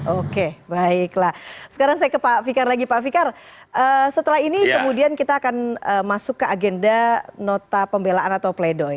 oke baiklah sekarang saya ke pak fikar lagi pak fikar setelah ini kemudian kita akan masuk ke agenda nota pembelaan atau pleidoy